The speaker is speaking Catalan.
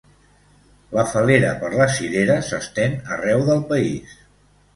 La fal·lera per les cireres s’estén arreu del país.